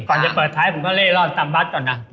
ก่อนจะเปิดท้ายผมก็เล่นรอดตามบัตรต่อนะ